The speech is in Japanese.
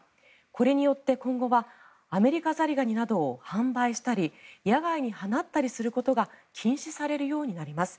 これによって今後はアメリカザリガニなどを販売したり野外に放ったりすることが禁止されるようになります。